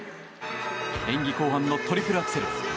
演技後半のトリプルアクセル。